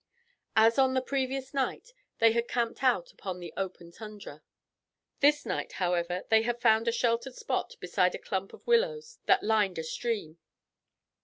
As on the previous night, they had camped out upon the open tundra. This night, however, they had found a sheltered spot beside a clump of willows that lined a stream.